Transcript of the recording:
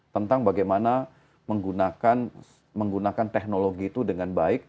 tentang bagaimana menggunakan teknologi itu dengan baik